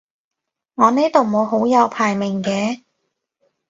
我呢度冇好友排名嘅